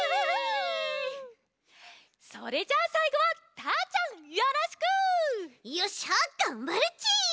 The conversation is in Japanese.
それじゃあさいごはたーちゃんよろしく！よっしゃがんばるち！